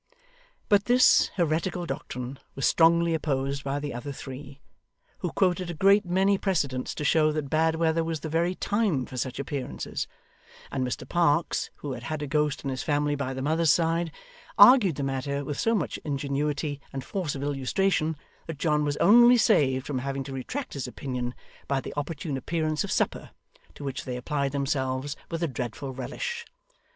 But this heretical doctrine was strongly opposed by the other three, who quoted a great many precedents to show that bad weather was the very time for such appearances; and Mr Parkes (who had had a ghost in his family, by the mother's side) argued the matter with so much ingenuity and force of illustration, that John was only saved from having to retract his opinion by the opportune appearance of supper, to which they applied themselves with a dreadful relish.